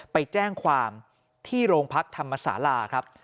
ไปแจ้งความที่โรงพักธรรมศาลาครับ